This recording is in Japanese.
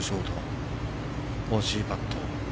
惜しいパット。